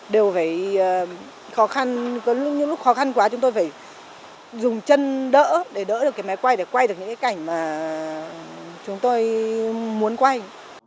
đều phải khó khăn có những lúc khó khăn quá chúng tôi phải dùng chân đỡ để đỡ được cái máy quay để quay được những cái cảnh mà chúng tôi muốn quay